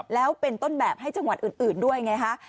แล้วเป็นต้นแบบให้จังหวัดอื่นด้วยไงคะ